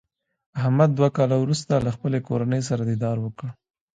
احمد دوه کاله ورسته له خپلې کورنۍ سره دیدار وکړ.